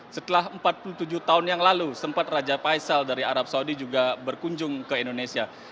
setelah empat puluh tujuh tahun yang lalu sempat raja faisal dari arab saudi juga berkunjung ke indonesia